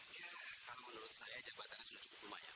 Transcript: ya kalau menurut saya jabatan sudah cukup lumayan